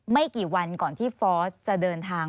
ไม่กี่วันก่อนที่ฟอร์สจะเดินทาง